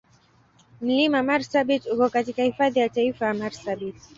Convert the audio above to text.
Mlima Marsabit uko katika Hifadhi ya Taifa ya Marsabit.